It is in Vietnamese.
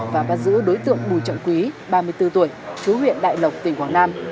và bắt giữ đối tượng bùi trọng quý ba mươi bốn tuổi chú huyện đại lộc tỉnh quảng nam